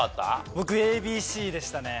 僕ＡＢＣでしたね。